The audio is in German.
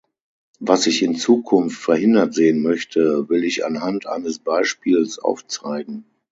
Was ich in Zukunft verhindert sehen möchte, will ich anhand eines Beispiels aufzeigen.